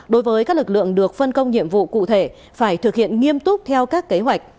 đối với các lực lượng được phân công nhiệm vụ cụ thể phải thực hiện nghiêm túc theo các kế hoạch